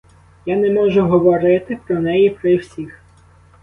Я не можу говорити про неї при всіх.